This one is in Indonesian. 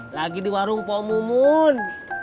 lagi di warung paul mumun